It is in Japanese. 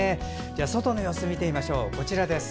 外の様子見てみましょう。